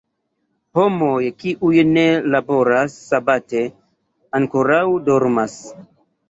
Homoj, kiuj ne laboras sabate ankoraŭ dormas.